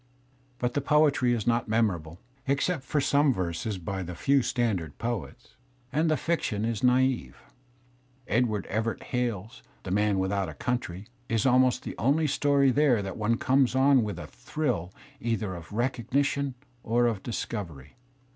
But the poetry is not memorable, except for some verses by the few standard poets. And the fiction is naive. Edward Everett Hale's "The Man With out a Country" is almost the only story there that one comes on with a thrill either of recognition or of discovery.